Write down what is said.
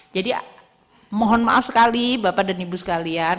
jadi mohon maaf sekali bapak dan ibu sekalian